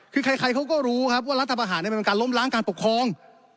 คือใครเขาก็รู้ครับว่ารัฐประหารมันเป็นการล้มล้างการปกครอง